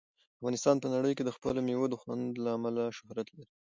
افغانستان په نړۍ کې د خپلو مېوو د خوند له امله شهرت لري.